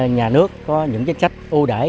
nhà nước có những danh sách ưu đải